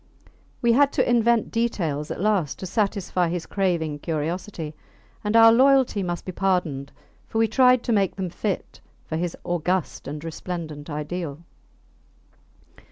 We had to invent details at last to satisfy his craving curiosity; and our loyalty must be pardoned, for we tried to make them fit for his august and resplendent ideal.